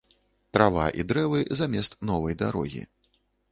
Трава і дрэвы замест новай дарогі.